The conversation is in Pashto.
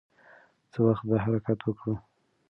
څه وخت به حرکت وکړو؟